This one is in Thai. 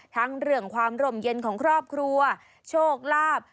ทั้งเรื่องความร่มเย็นของครอบครัวโชคลาภ